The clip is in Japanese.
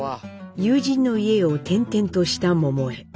友人の家を転々とした桃枝。